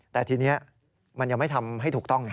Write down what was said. แต่ทีนี้มันยังไม่ทำให้ถูกต้องไง